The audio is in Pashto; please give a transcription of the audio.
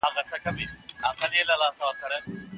که پیسې وانخلې نو غلام به بېرته ستا شي.